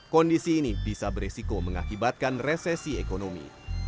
kondisi ini bisa beresiko mengakibatkan resesi ekonomi